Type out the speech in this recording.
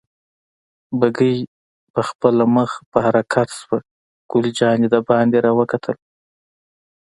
بګۍ پخپله مخ په حرکت شوه، ګل جانې دباندې را وکتل.